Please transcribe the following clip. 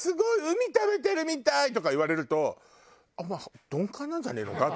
海食べてるみたーい！」とか言われると鈍感なんじゃねえのか？